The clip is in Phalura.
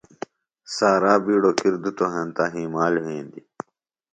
سارا بِیڈوۡ کِر دِتوۡ ہنتہ ہِیمال وھیندیۡ۔